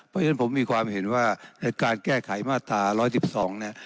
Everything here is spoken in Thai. เพราะฉะนั้นผมมีความเห็นว่าการแก้ไขมาตรา๑๑๒เนี่ย